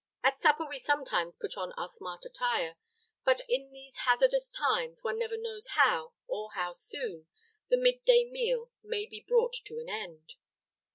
At supper we sometimes put on our smart attire; but, in these hazardous times, one never knows how, or how soon, the mid day meal may be brought to an end."